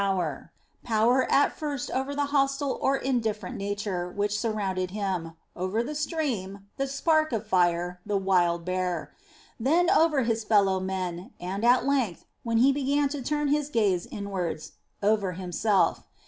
Power at first over the hostile or indifferent nature which sur rounded him, over the stream, the spark of fire, the wild bear : then over his fellow men, and, at length, when he began to turn his gaze inwards, over himself.